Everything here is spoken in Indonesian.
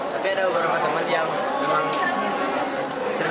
tapi ada beberapa teman yang memang sering